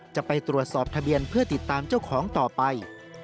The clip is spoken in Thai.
จะไปตรวจสอบทะเบียนเพื่อติดตามเจ้าของต่อไป